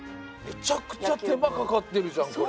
めちゃくちゃ手間かかってるじゃんこれ。